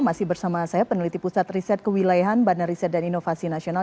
masih bersama saya peneliti pusat riset kewilayahan bandar riset dan inovasi nasional